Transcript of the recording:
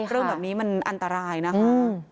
เรื่องแบบนี้มันอันตรายนะคะ